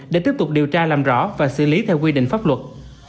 để tiếp tục điều tra làm rõ và xử lý theo quy định pháp luật